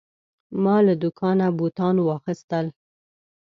ما له دوکانه بوتان واخیستل.